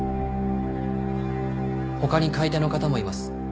他に買い手の方もいます。